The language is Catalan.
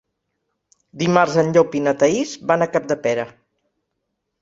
Dimarts en Llop i na Thaís van a Capdepera.